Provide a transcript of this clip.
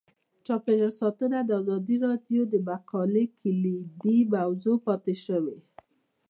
چاپیریال ساتنه د ازادي راډیو د مقالو کلیدي موضوع پاتې شوی.